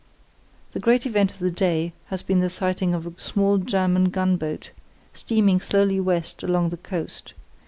"The great event of the day has been the sighting of a small German gunboat, steaming slowly west along the coast.